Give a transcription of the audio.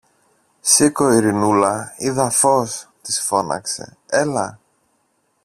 Σήκω, Ειρηνούλα, είδα φως, της φώναξε. Έλα!